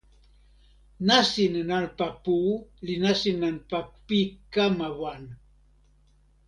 nasin nanpa pu li nasin nanpa pi kama wan.